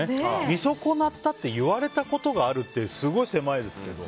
見損なったって言われたことがある？ってすごい狭いですけど。